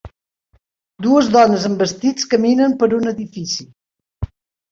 Dues dones amb vestits caminen per un edifici.